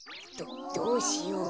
どどうしよう？